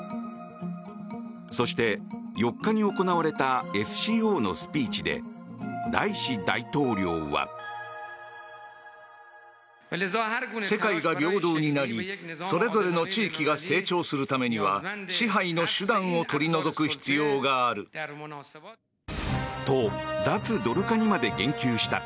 そして４日に行われたＳＣＯのスピーチでライシ大統領は。と、脱ドル化にまで言及した。